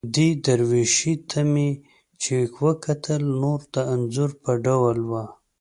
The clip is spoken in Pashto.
دې درویشي ته مې چې وکتل، نو د انځور په ډول وه.